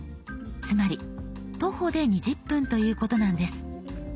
つまり徒歩で２０分ということなんです。